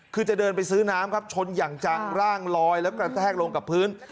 คือจะเดินไปซื้อน้ำครับชนอย่างจังร่างลอยแล้วกระแทกลงกับพื้น